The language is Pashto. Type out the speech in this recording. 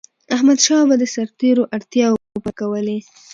احمدشاه بابا به د سرتيرو اړتیاوي پوره کولي.